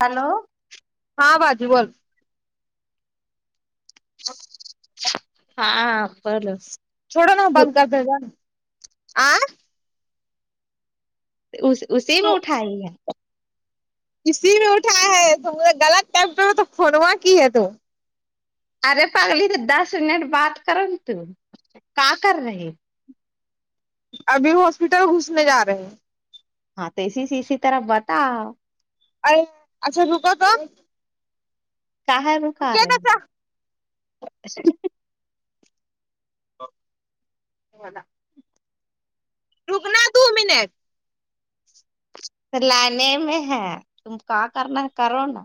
Hello ہاں بجو بول [unintelligible] ہاں بس چھوڑو نہا بند کر دے گا نا آ اس اسی میں اٹھائی ہے [unintelligible] کسی میں اٹھایا ہے تو نے غلط ٹیکٹر میں تو خونوا کی ہے تو ارے پگلی تو دس منٹ بات کرن ت کا کر رہے ابھی ہاسپٹل گھسنے جا رہے ہیں ہاں تو اسی سے اسی طرح بتاؤ ا اچھا رکا توم [unintelligible] کا ہے رک رہے چچا ہیں [unintelligible] ہودا رکنا دو منٹ [unintelligible] لنے میں ہے تم کہاں کرنا ہے کرو نا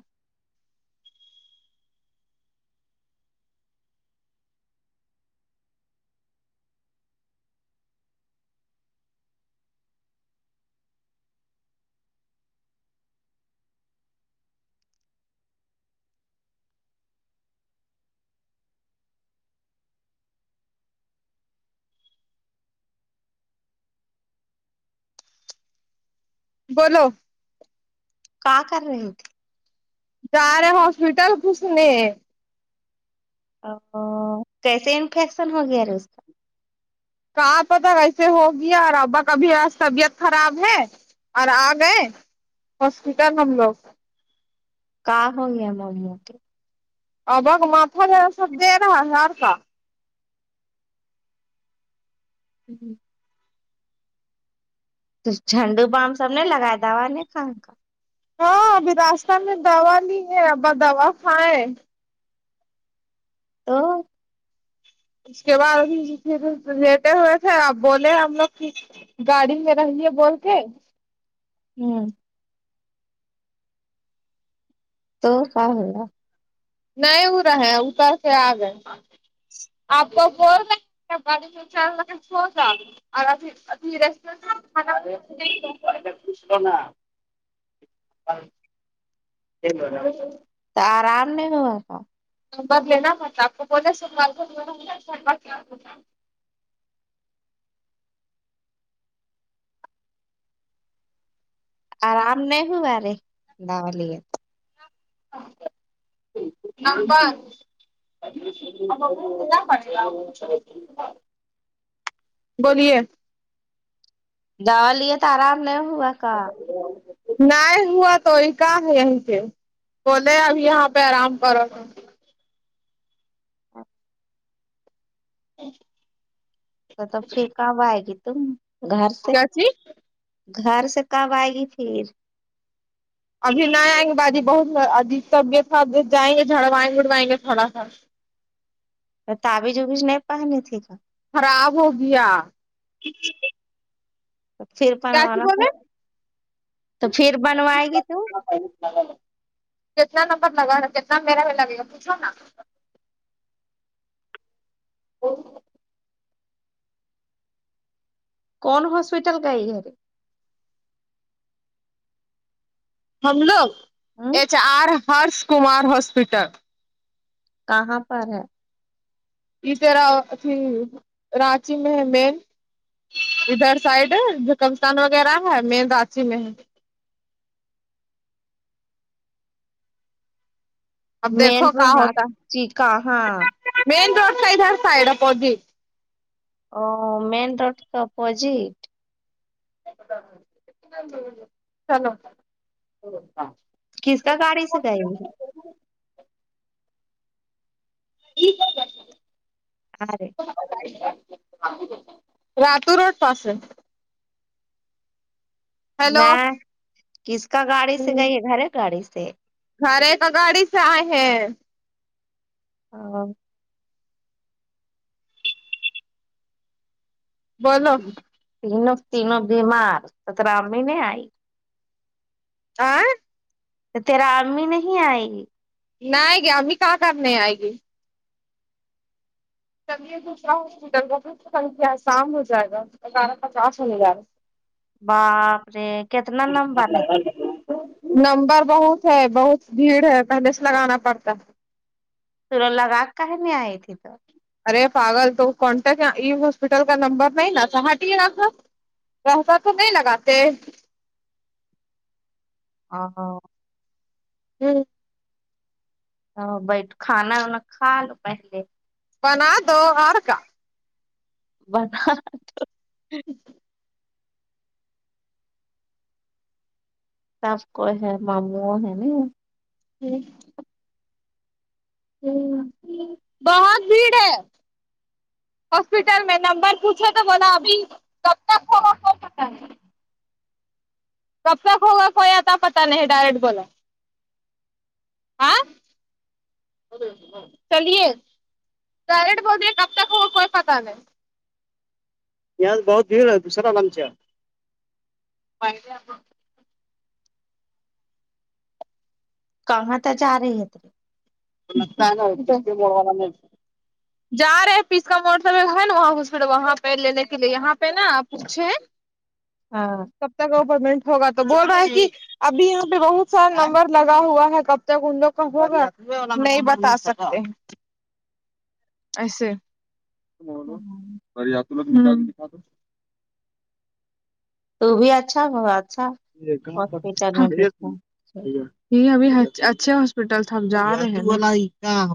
بولو [unintelligible] کا کر رہے ہیں تھے [unintelligible] جا رہے ہاسپٹل کسنے او کیسے انفیکشن ہو گیا رے اس کا کہاں پت ویسے ہوگیا اور ابا کبھیس طبیعت خراب ہے اور آ گئے ہاسپٹل ہم لوگ کا ہووں گ ہے م موتی [unintelligible] ابک ماتھا جو ہے سب د رہا ہزار کا جی جی [unintelligible] جھنڈو بام سب نے لگائے دوا نہیں کان کا ہاں ابھی راستہ میں دوا لی ہے اب دوا کھائائے تو [inaudible] اس کے بعدھر لیتے ہوئے تھے اب بولے ہم لوگ گاڑی میں رہیے بول کے [unintelligible] ہوں تو کا حلا [unintelligible] نہیں ا رہا ہے اتر کے آ گئے [unintelligible] اور ابھی- ابھی ریورھا- [unintelligible] تو آرام نہیں ہوسا- بدلینا مت آپ کو بولاے سروات کر- آرام نہیں ہوا رے دال- [unintelligible] پن بولیے- دوا لیے تو آرام نہیں ہوا- کا [unintelligible] نہیں ہوا تو کاا ہے یہیں پ بولے اب یہاں پہ آرام کرو- [unintelligible] تو توب پھر کب آئے گی تم گھر سے? کیا چیز گھر سے کب آئے گی پھر? ابھی نہ آئیں گے باجی بہت عجی سب کے ساتھ جائیں گے جھڑوائیں اڑوائیں گے تھوڑا سا- تعبی ج ابیز نہیں پہنی تھییکا- خراب ہو گیا- پھر کیا چ بنوانا تھا بولے تو پھر بنوائے گی تو? کتنا نمبر لگاا کتنا میرا میں لگے گا پوچھو نا- او کون ہاسپٹل گئی? ہم لوگ ہ H R Harsh Kumar hospital- کہاں پر ہے? یہ ترا اھی رانچی میں ہے مین- ادھر سائڈ جکمستان وغیرہ ہے مین رانچی میں ہے- اب مین دیکھو کہ روڈ ہاں ہوتا جی کہاں ہے مین روڈ کا ادھر سائڈ ہے پودی- ا مین روڈ تو اپپوزٹ- چلو- کس کا گاڑی سے جائے گیے? [unintelligible] [unintelligible] راتو روڈ پسن- ہیلو میں کس کا گاڑی سے گئی ہے گھرے گاڑی سے- خر کا گاڑی سے ہے- ہاں- بولو تینوں- تینوں بیماری نہیں ائی- ہیں تو تیرا امی نہیں آئی? نہیں گیامی کا کرنا آئے گے- چے دوسرا ہاسپٹل کو- سنکھیا شام ہو جائے گا گیارہ پچاس ہونے جا گا- باپ رے کتنا نمبر ہے تو- نمبر بہت ہے بہت بھیڑ ہے پہلے سے لگانا پڑتا ہے- سورلہ راگ کہیں نہیں ہے ت تو- ارے پاگل تو کانٹیکٹ ای ہاسپٹل کا نمبر نہیں نا س ہٹ راکھا پیسہ تو نہیں لگاتے آ ہاں ہوں ہ بائی کھانا وانا کھا لو پہلے بنا دو اور کا ب جچ تپ کو ہے مامو ہے ن جی ہ بہت بھیڑ ہے ہاسپٹل میں نمبر پوچھو تو بلا ابھی کب تک ہوو ستا ہے کب تک ہوگا کوئی آتا پتاہ نہیں ڈائریکٹ بولو [inaudible] چلیے ڈرٹ بولے کب تک ہوا کوئی پتا نہیں یہ آ بہت بھیڑ ہے دوسرا لامچ کہاں ت جا رہی ہے تھری ا جا رہے ہیں پس کا مو ہے نا وہاں ہاسپٹل وہاں پہ لینے کے لیے یہاں پہ نا پوچھے ہاں کب تک کا اوپرمنٹ ہوگا تو بول رہا ہے کہ ابھی یہاں پہ بہت سارا نمبر لگا ہوا ہے کب تک ان لوگ کا ہو رہا نہیں بتا سکتا اچھا ایسے ہاں ہاں اریا ت ج تو بھی اچھا ب اچھا یہ کہاں پ ہاسپٹل میں دکھا یہ ابھی اچھے ہاسپٹل تھ ہم جا رہے ہیں ہاں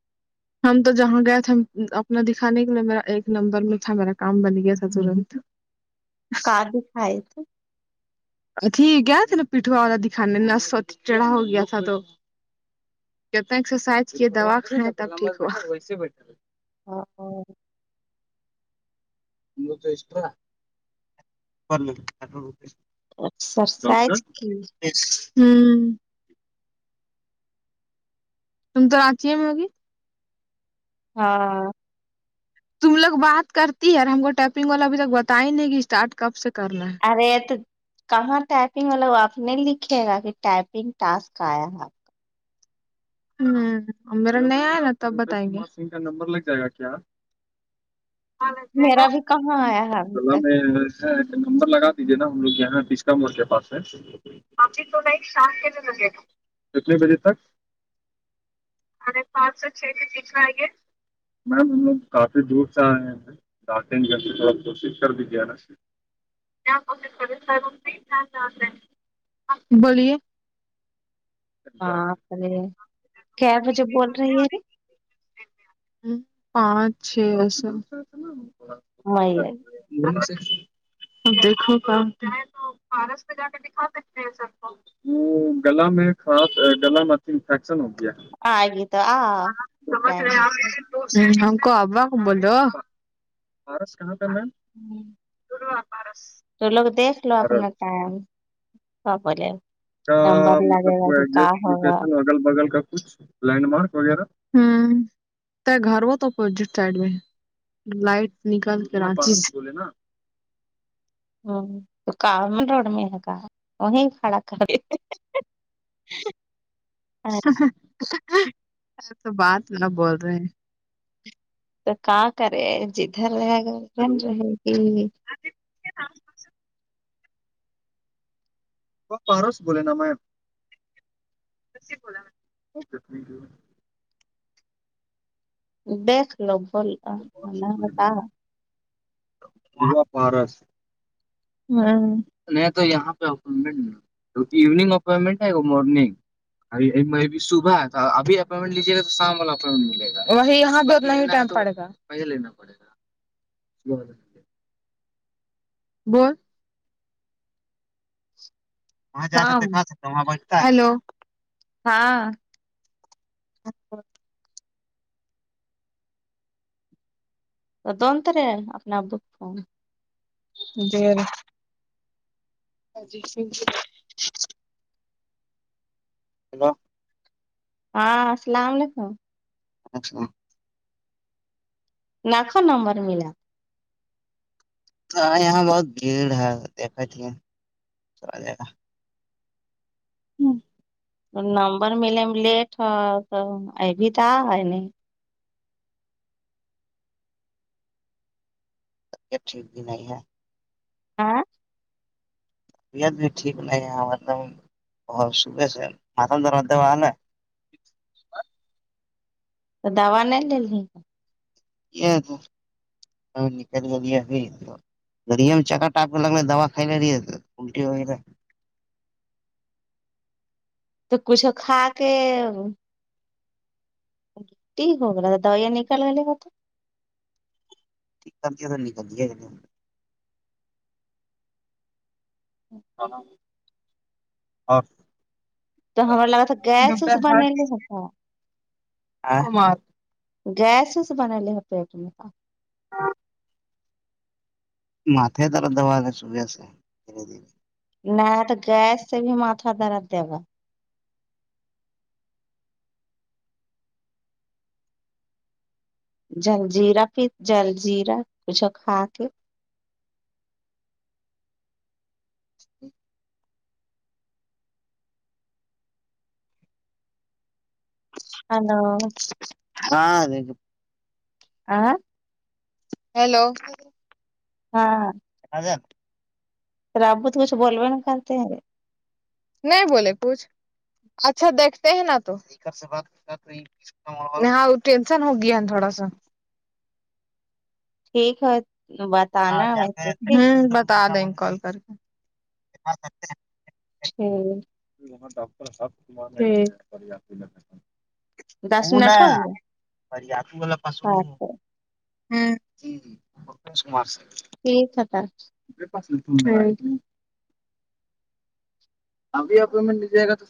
ج ہم تو جہاں گئے تھ اپنا دکھانے کے لیے میرا ایک نمبر میں تھا میرا کام بن گیا تھا ترنت ک دھا ہے تھ ا تھی گیا تین پیٹھوا والا دکھانے ن سو چڑا ہو گیا تھا تو کتنا ایکسرسائز کیے دوا کھان تب ٹھیک ہو ہاں اور س اسرسائز کی ہوں تم تو رچی ہے م ہوگی ہاں تم لوگ بات کرتی ہے اور ہم کو ٹائپنگ والا ابھی تک بتا ہی نہیں کہ اسٹارٹ کب سے کرنا ہے ارے تو کہاں ٹائپنگ والا وہ آپ نے لکھے گا کہ ٹائپنگ ٹسک آیا ہے ہ میرا نیا آئے نا تب بتائیں گے کا نمبر لگ جائے گا کیا ہاں لگ جائے گا۔ میرا بھی کہاں آیا ہے ابھی چلا تک میں نمبر لگ دیجیے نا ہم لوگ یہاں ڈسکا موڈ کے پاس ہے ابھی تو میں شام کے لیے لگے گا کتنے بجے تک ے پانچ سےو چھ چ کچر گے میم ہم لوگ کافی دور ڈٹیں گے پھر تھوڑا کوشش کر دی گیاا کیا [inaudible] بولیے ہاںلے کیا وجہ بول رہی ہے ہ پانچ چھ وس نہیی آئی دیکھو تو پارس میں جا کے دکھا سکتے ہیں سر کو وہ گلا میں خاس گلا میںھی انفیکشن ہو گ ہے آ گے تو ہاں سم ہم کو اببا کو بول رہے ہو کہاں کا میم ہوں درو پارس تو لوگ دیکھ لو اپنا ٹائم سولے مطلب کوزٹ ہوگا لوکیشن اگل بگل کا کچھ لینڈ مارک وغیرہ گھر ہو تو اپوزٹ سائڈ میں لائٹ نکل کراچیا ہ تو کامن روڈ میں ہے گا وہیں کھڑا کرتے جی [inaudible] ا تو بات نہ بول رہے ہیں تو کا کرے جدھر رہ گن ہیلو رہے گی وہ پاروس بولے نا میم کیسے بولا بیتھ نوبل ہاں پارس نہیں تو یہاں پہ اپمنٹ ایونگ اپائنمنٹ ہے مارنگ ا بھی میں بھی صبح ایا تھا ابھی اپوائنمن لجی گا تو شام والا اپائنٹٹ ملے گا یہاںہ اتنا ہی ٹائم پڑے گا پل پڑے گا بول [inaudible] وہاں جا کر شام دیکھا سکتے وہاں بیٹ ہیلو ہاں اچا [inaudible] تودونتر اپنا بک فون جیر ہاں جی ہیلو ہاں السلام علیکم وعلیکم السلام ناکخو نمبر ملا یہاں بہت بھیڑ ہے دیکھاتے ہیں تو ملے گا ہوں نمبر ملے میں لیٹ ہے تو ابھی تو نہیں ٹھیک بھی نہیں ہے [unintelligible] آ [inaudible] طبیعت بھی ٹھیک نہیں ہے مطلب صبح سے ماتل دروازے وال ہے تو دوا نہیں لیں یہ تو نکل کے [inaudible] گریا میں چکا ٹپ کر لگ رہے دواھائی لے رہی الٹی ہو ہے [inaudible] تو کچھو کھا کے ٹی ہوگا دیا نکال گا ہوتا [inaudible] کر کیسے نکل دے ہم [inaudible] ہاں اور [inaudible] تو ہمار لگا تھا گیس صبح نے ہوتا [inaudible] گیس سے بنلے ہے پیٹ میں [inaudible] ہاں [inaudible] مھے ترا دوا کے وجہ سے دھیرے دھیرے [inaudible] نہ تو گیس سے بھی مھا درد دی گا [inaudible] جلجیرا پی جلجیرا کچھ کھا کے [inaudible] جی [inaudible] ہیلو ہاں لکے [inaudible] آ [unintelligible] ہیلو ہاں ہاں [inaudible] رابو تو کچھ بولوے نہ کرتے ہیں [inaudible] نہیں بولے کوچھ اچھا دیکھتے ہیں نا تو یہاں ٹینشن ہوگیا تھوڑا سا ٹھیک ہے بتانا وسے ٹھیک [inaudible] ہوں بتا دیں گے کال کر کے [inaudible] ہوں [inaudible] وہاں ڈاکٹر کمار پھر کون ایا [inaudible] [inaudible] کہ پتہ [inaudible] میرے پاس نہیں ابھی اپن کو مل جائے گا تو [inaudible]